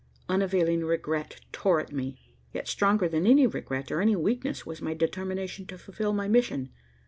Unavailing regret tore at me. Yet stronger than any regret or any weakness was my determination to fulfil my mission.